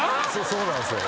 そうなんですよ。